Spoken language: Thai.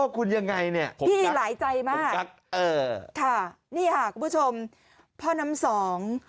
คุณผู้ชมพ่อน้ำสอง